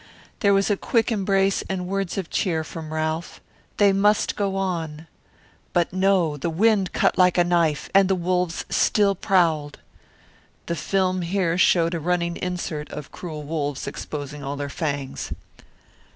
There was a quick embrace and words of cheer from Ralph. They must go on. But no, the wind cut like a knife, and the wolves still prowled. The film here showed a running insert of cruel wolves exposing all their fangs.